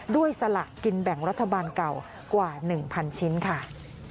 สละกินแบ่งรัฐบาลเก่ากว่า๑๐๐ชิ้นค่ะ